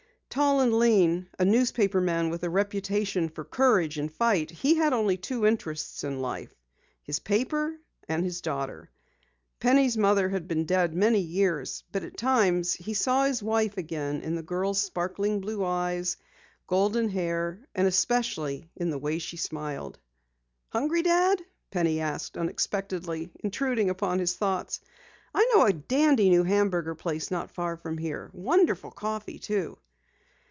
Tall and lean, a newspaper man with a reputation for courage and fight, he had only two interests in life his paper and his daughter. Penny's mother had been dead many years, but at times he saw his wife again in the girl's sparkling blue eyes, golden hair, and especially in the way she smiled. "Hungry, Dad?" Penny asked unexpectedly, intruding upon his thoughts. "I know a dandy new hamburger place not far from here. Wonderful coffee too."